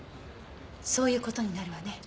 そういう事になるわね。